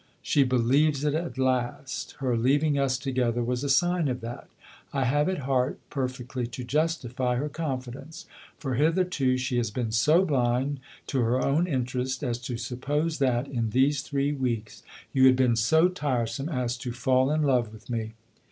" She believes it at last her leaving us together was a sign of that. I have at heart perfectly to justify her confidence, for hitherto she has been so blind to her own interest as to suppose that, in these three weeks, you had been so tiresome as to fall in love with me."